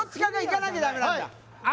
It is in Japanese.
あ